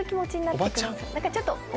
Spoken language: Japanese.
何かちょっと。